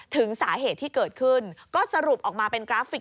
ถึงสาเหตุที่เกิดขึ้นก็สรุปออกมาเป็นกราฟิก